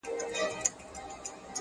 o هغه زما خبري پټي ساتي،